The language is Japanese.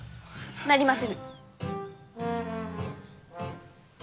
なりませぬ！